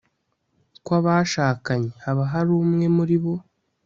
kw'abashakanye haba hari umwe muri bo